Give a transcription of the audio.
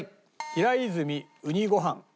平泉うにごはん。